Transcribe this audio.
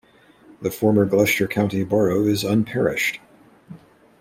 The former Gloucester County Borough is unparished.